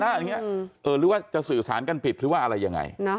หรือว่าจะสื่อสารกันผิดหรือว่าอะไรยังไง